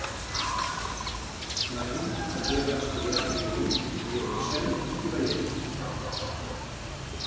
Magin també va estudiar violí, violoncel i ballet.